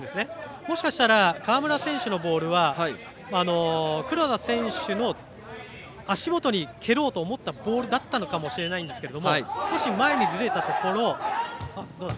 もしかしたら川村選手のボールは黒田選手の足元に蹴ろうと思ったボールだったのかもしれないですけど。